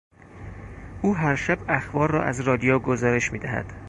او هر شب اخبار را از رادیو گزارش میدهد.